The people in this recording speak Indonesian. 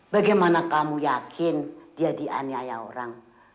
bagaimana kamu yakin dia dianiaya orang